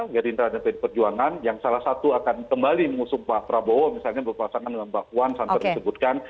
jadi terhadap perjuangan yang salah satu akan kembali mengusung pak prabowo misalnya berpasangan dengan pak wan santai disebutkan